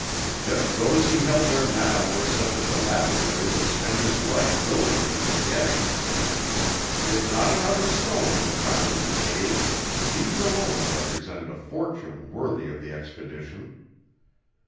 Just those he held there now were such as a lapidary would spend his life willingly in the getting. If not another stone were found in the cave, these alone represented a fortune worthy of the expedition.